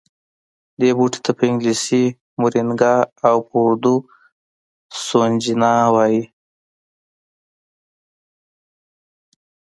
دې بوټي ته په انګلیسي مورینګا او په اردو سوهنجنا وايي